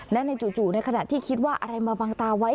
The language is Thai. และในจู่ในขณะที่คิดว่าอะไรมาบังตาไว้